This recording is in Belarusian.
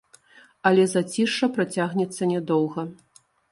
Але зацішша працягнецца нядоўга.